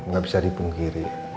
gak bisa dipungkiri